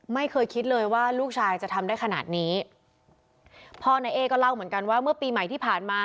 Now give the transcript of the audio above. ไม่เคยคิดเลยว่าลูกชายจะทำได้ขนาดนี้พ่อนายเอ๊ก็เล่าเหมือนกันว่าเมื่อปีใหม่ที่ผ่านมา